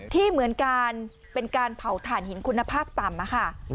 เหมือนการเป็นการเผาถ่านหินคุณภาพต่ำค่ะ